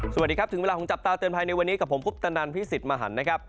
สวัสดีครับถึงเวลาของจับตาเตือนภัยในวันนี้กับผมคุปตนันพี่สิทธิ์มหันนะครับ